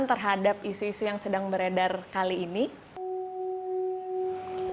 terhadap isu isu yang terjadi di dunia